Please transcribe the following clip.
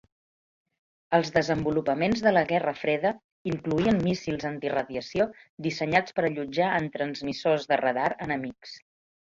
Els desenvolupaments de la Guerra Freda incloïen míssils antiradiació dissenyats per allotjar en transmissors de radar enemics.